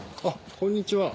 こんにちは。